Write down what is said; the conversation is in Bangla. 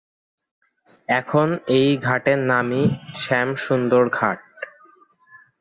এখন এই ঘাটের নামই শ্যামসুন্দর ঘাট।